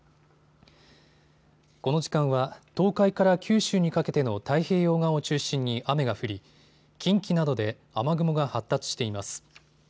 この時間は東海から九州にかけての太平洋側を中心に雨が降り近畿などで雨雲が発達しています。